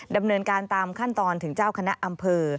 ดำเนินการตามขั้นตอนถึงเจ้าคณะอำเภอ